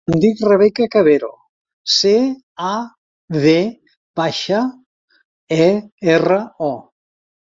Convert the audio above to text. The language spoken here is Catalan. Em dic Rebeca Cavero: ce, a, ve baixa, e, erra, o.